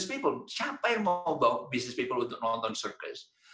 siapa yang mau bisnis untuk menonton circus